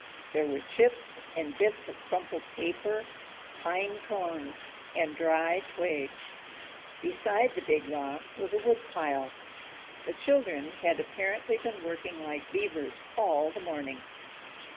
There were chips and bits of crumpled paper, pine cones, and dry twigs. Beside the big rock was a woodpile. The children had apparently been working like beavers all the morning.